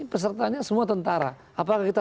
pesertanya semua tentara apakah kita